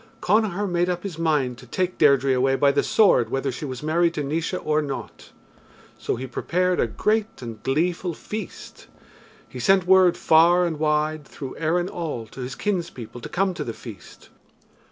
Connachar made up his mind to take Deirdre away by the sword whether she was married to Naois or not. So he prepared a great and gleeful feast. He sent word far and wide through Erin all to his kinspeople to come to the feast.